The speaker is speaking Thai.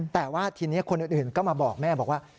แต่ว่าทีนี้คนอื่นก็มาบอกแม่บอกว่า